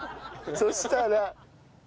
そしたら。